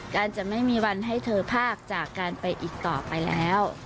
การจะไม่มีวันให้เธอภาคจากการไปอีกต่อไปแล้ว